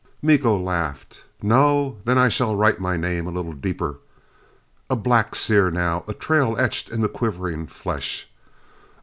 Miko laughed. "No? Then I shall write my name a little deeper...." A black sear now a trail etched in the quivering flesh.